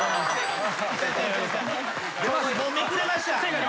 もうめくれました。